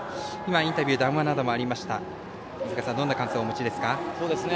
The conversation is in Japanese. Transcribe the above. インタビュー談話などもありましたが飯塚さんどんな感想をお持ちですか？